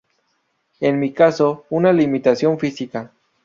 En mi caso, una limitación física.